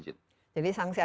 jadi sanksianministrasi apa